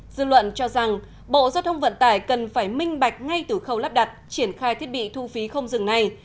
dư luận cho rằng bộ giao thông vận tải cần phải minh bạch ngay từ khâu lắp đặt triển khai thiết bị thu phí không dừng này